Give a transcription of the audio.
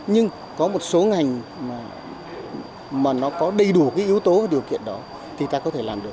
nhưng có một số ngành mà nó có đầy đủ cái yếu tố điều kiện đó thì ta có thể làm được